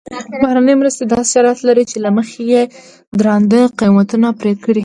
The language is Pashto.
بهرنۍ مرستې داسې شرایط لري چې له مخې یې درانده قیمتونه پرې کړي.